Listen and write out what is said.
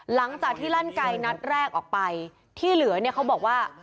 หลังจากที่ลั่นไกลนัดแรกออกไปที่เหลือเนี่ยเขาบอกว่า